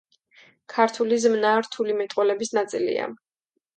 ქართული ზმნა რთული მეტყველების ნაწილია.